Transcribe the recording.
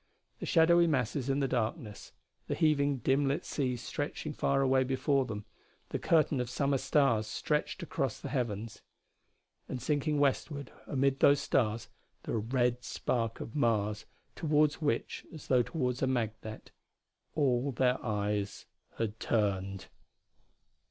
The shadowy masses in the darkness, the heaving, dim lit sea stretching far away before them, the curtain of summer stars stretched across the heavens. And, sinking westward amid those stars, the red spark of Mars toward which as though toward a magnet all their eyes had turned.